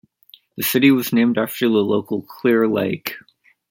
The city was named after the local Clear Lake.